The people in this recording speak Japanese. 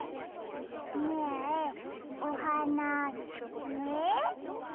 ねえおはなすき？